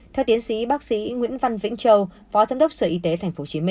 theo tiến sĩ bác sĩ nguyễn văn vĩnh châu phó giám đốc sở y tế tp hcm